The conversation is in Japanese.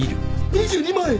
２２万円！？